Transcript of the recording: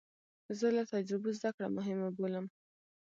زه له تجربو زده کړه مهمه بولم.